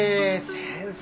先生。